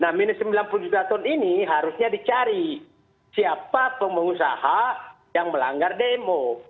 nah minus sembilan puluh juta ton ini harusnya dicari siapa pengusaha yang melanggar demo